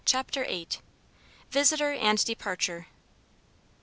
CHAPTER VIII. VISITOR AND DEPARTURE.